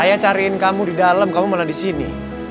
saya cariin kamu di dalam kamu mana di sini